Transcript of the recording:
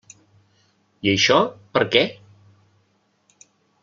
I això, per què?